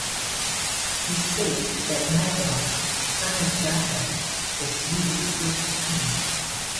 He states that Magog, son of Japheth, was Sweden's first king.